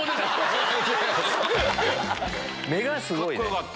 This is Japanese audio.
目がすごいね！